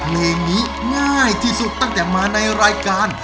เพลงนี้ง่ายที่สุดตั้งแต่มาในรายการ